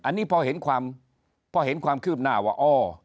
อันนี้พอเห็นความพอเห็นความคืบหน้าว่า